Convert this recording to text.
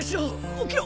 起きろ！